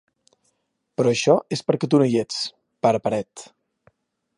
Però això és perquè tu no hi ets, pare paret.